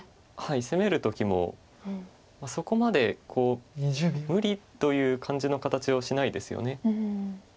攻める時もそこまでこう無理という感じの形をしないですよね。